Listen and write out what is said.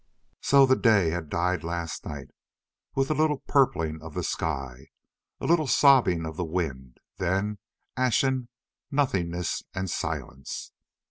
So the day had died last night, with a little purpling of the sky—a little sobbing of the wind—then ashen nothingness and silence.